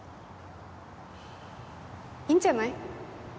いいんじゃない